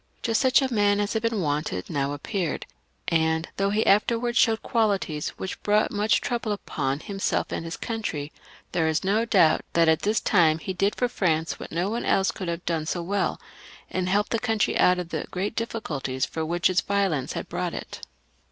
Just such a man as had been wanted now appeared, and though he afterwards showed qualities which brought much trouble upon himself and his country, there is no doubt that at this time he did for France what no one else could have done so well, and helped the country out of the great difficulties into which its violence had brought it.